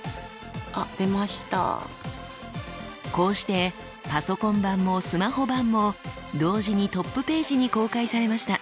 こうしてパソコン版もスマホ版も同時にトップページに公開されました。